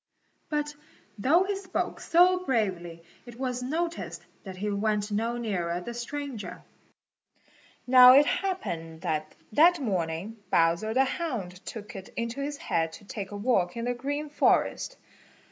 But though he spoke so bravely it was noticed that he went no nearer the stranger. Now it happened that that morning Bowser the Hound took it into his head to take a walk in the Green Forest.